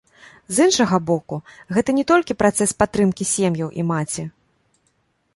З іншага боку, гэта не толькі працэс падтрымкі сем'яў і маці.